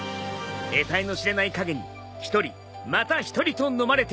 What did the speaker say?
えたいの知れない影に一人また一人とのまれていく。